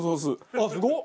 ああすごっ！